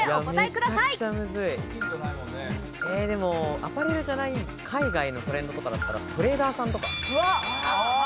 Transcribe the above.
アパレルじゃない、海外のトレンドならトレーナーさんとか？